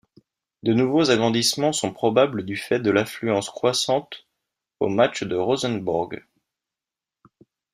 De nouveaux agrandissements sont probables du fait de l'affluence croissante aux matches de Rosenborg.